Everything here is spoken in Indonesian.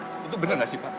itu benar pak